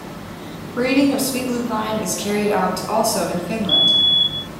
Breeding of sweet lupine is carried out also in Finland.